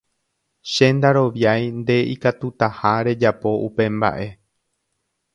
Che ndaroviái nde ikatutaha rejapo upe mba'e